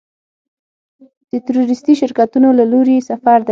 د تورېستي شرکتونو له لوري سفر دی.